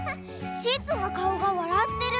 シーツのかおがわらってる！